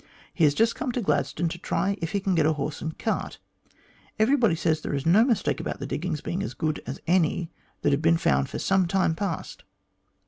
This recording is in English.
He has just come to Gladstone to try if he can get a horse and cart. Everybody says there is no mistake about the diggings being as good as any that have been found for some time past."